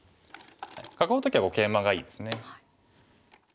囲う時はケイマがいいですね。